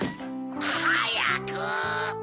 はやく！